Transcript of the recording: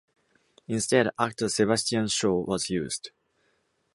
Instead, actor Sebastian Shaw was used.